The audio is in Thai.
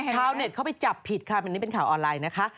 ชาวเน็ตเข้าไปจับผิดค่ะอันนี้เป็นข่าวออนไลน์นะคะ